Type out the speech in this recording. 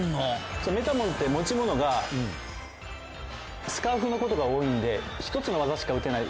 そうメタモンって持ち物がスカーフのことが多いんで１つのわざしかうてない。